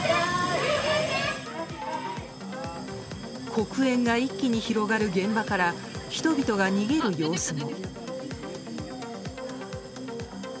黒煙が一気に広がる現場から人々が逃げる様子も。